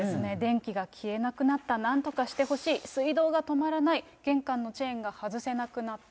電気が消えなくなった、なんとかしてほしい、水道が止まらない、玄関のチェーンが外せなくなった。